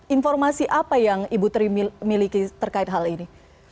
informasi apa yang ibu tri miliki terkait hal ini